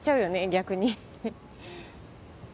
逆に。